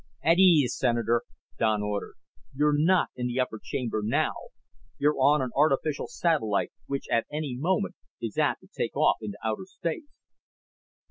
"At ease, Senator!" Don ordered. "You're not in the upper chamber now. You're on an artificial satellite which at any moment is apt to take off into outer space."